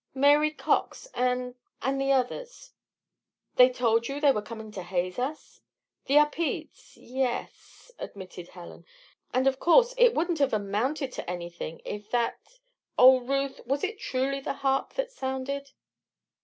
"Mary Cox and and the others." "They told you they were coming to haze us?" "The Upedes ye es," admitted Helen. "And of course, it wouldn't have amounted to anything if that Oh, Ruth! was it truly the harp that sounded?"